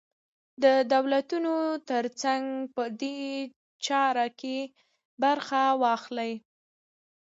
د دولتونو تر څنګ په دې چاره کې برخه واخلي.